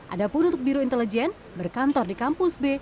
adapun untuk biro intelijen berkantor di kampus b